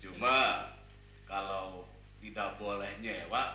cuma kalau tidak boleh nyewa